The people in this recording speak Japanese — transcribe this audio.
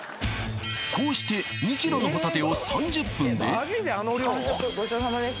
こうして２ｋｇのホタテを３０分で完食ごちそうさまです